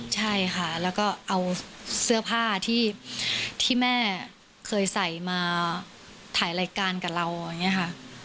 ใช่ค่ะแล้วก็เอาเสื้อผ้าที่แม่เคยใส่มาถ่ายรายการกับเราอย่างนี้ค่ะ